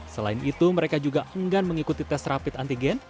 selain itu mereka juga enggan mengikuti tes rapid antigen